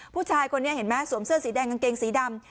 ผู้ชายคนนี้เห็นไหมสวมเสื้อสีแดงกางเกงสีดำ